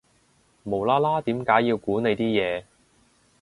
無啦啦點解要估你啲嘢